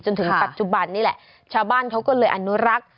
จนถึงปัจจุบันนี่แหละชาวบ้านเขาก็เลยอนุรักษ์